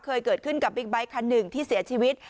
เคยเกิดขึ้นกับบิ๊กไบท์คันหนึ่งที่เสียชีวิต